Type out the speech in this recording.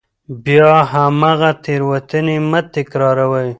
بیا هماغه تېروتنې مه تکراروئ.